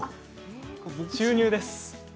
注入です。